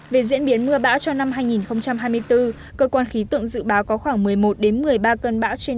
về diễn biến mưa bão cho năm hai nghìn hai mươi bốn cơ quan khí tượng dự báo có khoảng một mươi một một mươi ba cơn bão trên